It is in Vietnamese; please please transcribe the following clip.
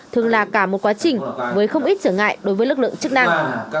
thường là cả một quá trình với không ít trở ngại đối với lực lượng chức năng